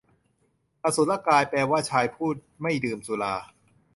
อสุรกาย แปลว่า ชายผู้ไม่ดื่มสุรา